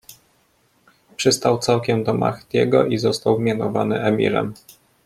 Przystał całkiem do Mahdiego i został mianowany emirem.